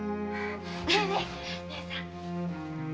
ねえねえ姉さん。